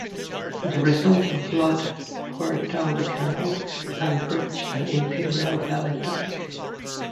The resulting flood poured down the canal and breached an Imperial Valley dyke.